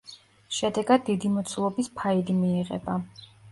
შედეგად დიდი მოცულობის ფაილი მიიღება.